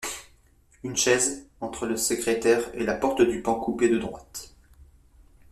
Une chaise, entre le secrétaire et la porte du pan coupé de droite.